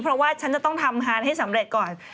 เพราะว่าฉันจะต้องทำฮานให้สำเร็จก่อน